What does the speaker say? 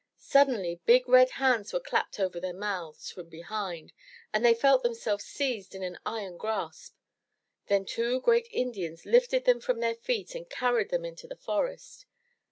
Suddenly big red hands were clapped over their mouths from behind and they felt themselves seized in an iron grasp. Then two great Indians lifted them from their feet and carried them into the forest.